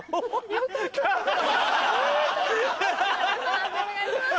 判定お願いします。